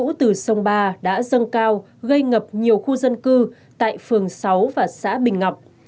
bão lũ từ sông ba đã dâng cao gây ngập nhiều khu dân cư tại phường sáu và xã bình ngọc